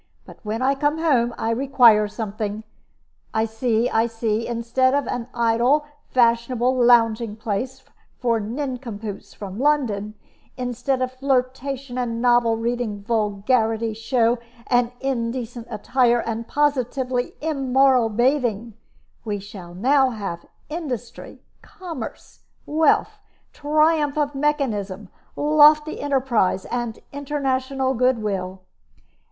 But when I come home I require something. I see, I see. Instead of an idle, fashionable lounging place for nincompoops from London, instead of flirtation and novel reading, vulgarity, show, and indecent attire, and positively immoral bathing, we will now have industry, commerce, wealth, triumph of mechanism, lofty enterprise, and international good will.